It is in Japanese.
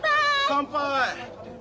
乾杯！